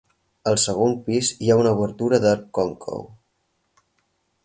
Al segon pis hi ha una obertura d'arc còncau.